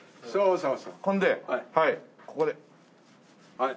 はい。